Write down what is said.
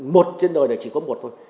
một trên đời này chỉ có một thôi